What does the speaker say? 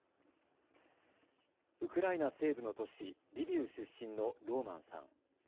ウクライナ西部の都市、リビウ出身のローマンさん。